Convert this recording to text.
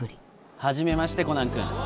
はじめまして、コナン君。